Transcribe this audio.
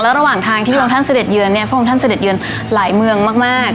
ระหว่างทางที่พระองค์ท่านเสด็จเยือนเนี่ยพระองค์ท่านเสด็จเยือนหลายเมืองมาก